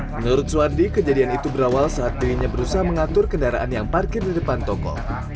menurut suwardi kejadian itu berawal saat dirinya berusaha mengatur kendaraan yang parkir di depan toko